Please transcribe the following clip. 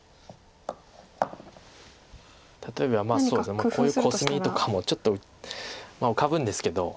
例えばこういうコスミとかもちょっと浮かぶんですけど。